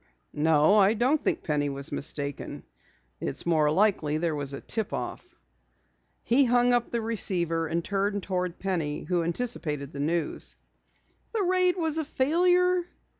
No, I don't think Penny was mistaken. It's more likely there was a tip off." He hung up the receiver and turned toward Penny who anticipated the news. "The raid was a failure?"